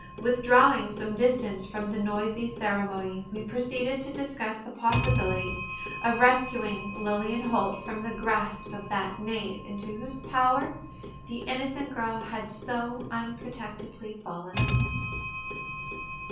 Withdrawing some distance from the noisy ceremony, we proceeded to discuss the possibility of rescuing Lilian Holt from the grasp of that knave into whose power the innocent girl had so unprotectedly fallen.